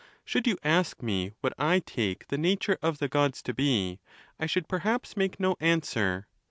Should you ask me what I take the nature of the Gods to be, I should perhaps make no answer.